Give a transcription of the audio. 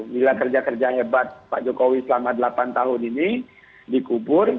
bila kerja kerja hebat pak jokowi selama delapan tahun ini dikubur